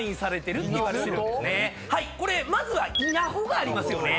これまずは稲穂がありますよね。